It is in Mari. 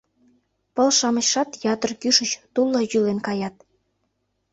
Пыл-шамычшат ятыр кӱшыч тулла йӱлен каят.